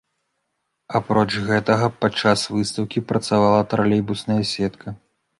Апроч гэтага падчас выстаўкі працавала тралейбусная сетка.